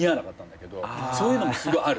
そういうのもすごいある。